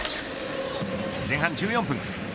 前半１４分。